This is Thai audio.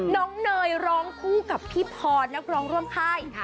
เนยร้องคู่กับพี่พรนักร้องร่วมค่าย